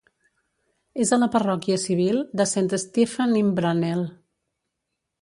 És a la parròquia civil de Saint Stephen-in-Brannel.